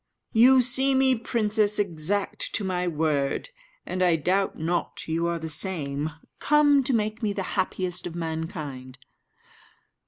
"You see me, princess, exact to my word; and I doubt not you are the same, come to make me the happiest of mankind."